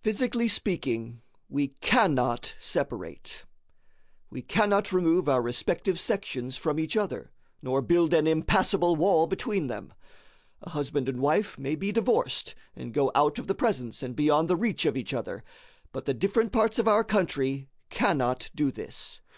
Physically speaking, we cannot separate. We cannot remove our respective sections from each other, nor build an impassable wall between them. A husband and wife may be divorced, and go out of the presence and beyond the reach of each other; but the different parts of our country cannot do this.